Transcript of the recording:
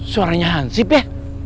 suaranya hansip ya